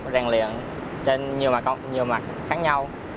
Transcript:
rèn luyện trên nhiều mặt khác nhau